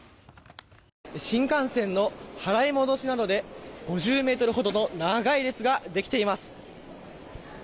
新幹線の払い戻しなどで５０ｍほどの長い列ができています。